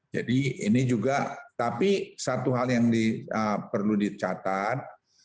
jadi ini juga tapi satu hal yang perlu dicatat